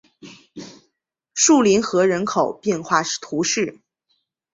树林河人口变化图示